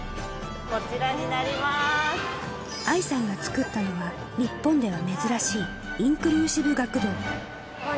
愛さんが作ったのは、日本では珍しいインクルーシブ学童。